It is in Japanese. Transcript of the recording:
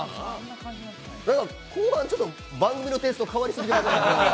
後半、ちょっと番組のテイスト、変わりすぎやね。